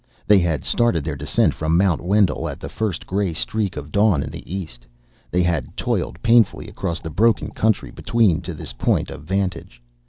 They had started their descent from Mount Wendel at the first gray streak of dawn in the east. They had toiled painfully across the broken country between, to this point of vantage.